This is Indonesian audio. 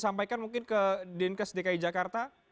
sampaikan mungkin ke dinkes dki jakarta